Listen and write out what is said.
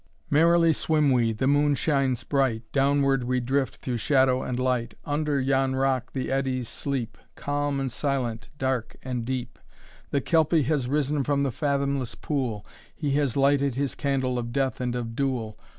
III. Merrily swim we, the moon shines bright, Downward we drift through shadow and light, Under yon rock the eddies sleep, Calm and silent, dark and deep. The Kelpy has risen from the fathomless pool. He has lighted his candle of death and of dool.